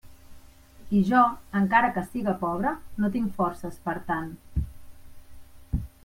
I jo, encara que siga pobra, no tinc forces per a tant.